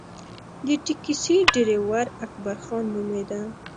د ټیکسي ډریور اکبرخان نومېده.